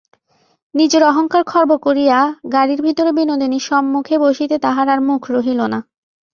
নিজের অহংকার খর্ব করিয়া গাড়ির ভিতরে বিনোদিনীর সন্মুখে বসিতে তাহার আর মুখ রহিল না।